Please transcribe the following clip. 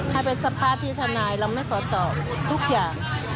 ให้เป็นสภาที่ทนายเราไม่ขอตอบทุกอย่าง